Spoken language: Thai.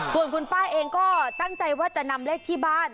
ส่วนคุณป้าเองก็ตั้งใจว่าจะนำเลขที่บ้าน